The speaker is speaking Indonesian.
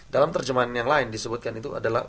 dalam terjemahan yang lain disebutkan itu adalah